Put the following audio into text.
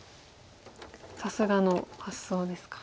さすがの発想ですか。